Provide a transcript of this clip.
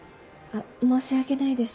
申し訳ないです